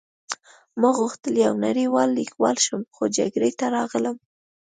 ما غوښتل یو نړۍوال لیکوال شم خو جګړې ته راغلم